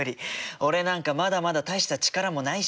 俺なんかまだまだ大した力もないし。